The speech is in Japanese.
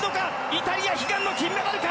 イタリア、悲願の金メダルか。